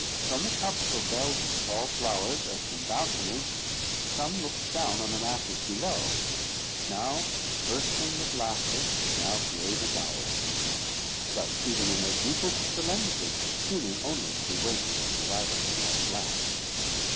From the cups or bells of tall flowers, as from balconies, some looked down on the masses below, now bursting with laughter, now grave as owls; but even in their deepest solemnity, seeming only to be waiting for the arrival of the next laugh.